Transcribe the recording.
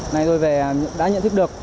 này rồi về đã nhận thức được